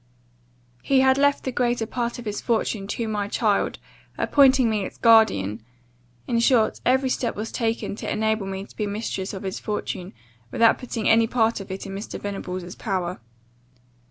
He had left the greater part of his fortune to my child, appointing me its guardian; in short, every step was taken to enable me to be mistress of his fortune, without putting any part of it in Mr. Venables' power.